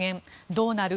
どうなる？